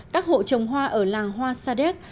các hộ trồng hoa ở làng hoa sa đéc